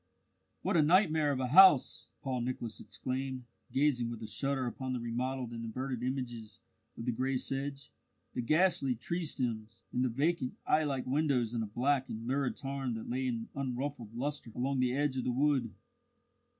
"What a nightmare of a house!" Paul Nicholas exclaimed, gazing with a shudder upon the remodelled and inverted images of the grey sedge, the ghastly tree stems, and the vacant, eye like windows in a black and lurid tarn that lay in unruffled lustre along the edge of the wood.